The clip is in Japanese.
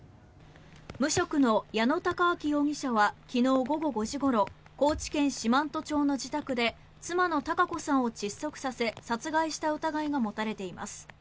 無職の矢野孝昭容疑者は昨日午後５時ごろ高知県四万十町の自宅で妻の堯子さんを窒息させ殺害した疑いが持たれています。